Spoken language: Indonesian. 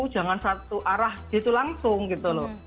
jangan satu arah gitu langsung gitu loh